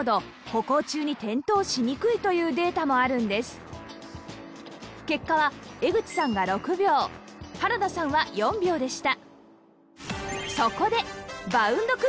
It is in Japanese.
実は結果は江口さんが６秒原田さんは４秒でした